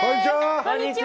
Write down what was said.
こんにちは！